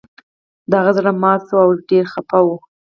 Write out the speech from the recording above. د هغه زړه مات شوی و او ډیر خفه و